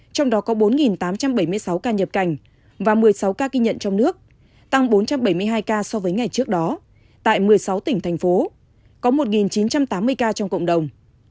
trong đó có bốn tám trăm bảy mươi sáu ca nhập cảnh và một mươi sáu ca ghi nhận trong nước tăng bốn trăm bảy mươi hai ca so với ngày trước đó tại một mươi sáu tỉnh thành phố có một chín trăm tám mươi ca trong cộng đồng